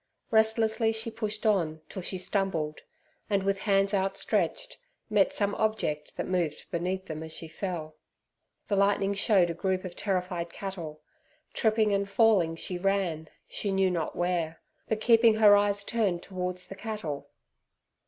Restlessly she pushed on till she stumbled, and, with hands outstretched, met some object that moved beneath them as she fell. The lightning showed a group of terrified cattle. Tripping and falling, she ran, she knew not where, but keeping her eyes turned towards the cattle.